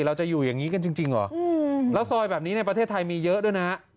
เราจะอยู่อย่างนี้กันจริงเหรอแล้วซอยแบบนี้ในประเทศไทยมีเยอะด้วยนะ